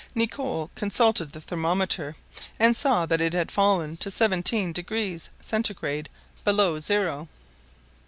Nicholl consulted the thermometer, and saw that it had fallen to seventeen degrees (Centigrade) below zero.